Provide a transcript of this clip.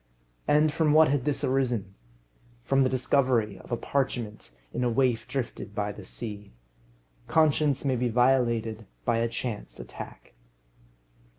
And from what had this arisen? From the discovery of a parchment in a waif drifted by the sea. Conscience may be violated by a chance attack.